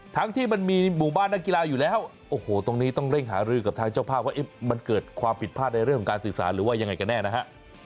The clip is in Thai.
ที่มันมีหมู่บ้านนักกีฬาอยู่แล้วโอ้โหตรงนี้ต้องเร่งหารือกับทางเจ้าภาพว่ามันเกิดความผิดพลาดในเรื่องของการสื่อสารหรือว่ายังไงกันแน่นะฮะ